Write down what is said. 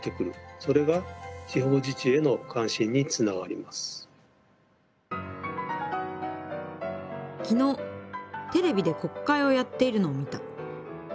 そうすると昨日テレビで国会をやっているのを見た。